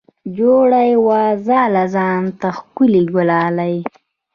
جوړه یې وه ځاله ځان ته ښکلې ګلالۍ